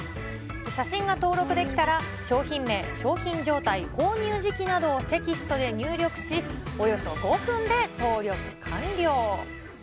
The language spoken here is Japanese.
写真が登録できたら商品名、商品状態、購入時期などをテキストで入力し、およそ５分で登録完了。